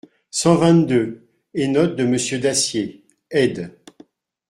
cent vingt-deux, et note de Monsieur Dacier ; Éd.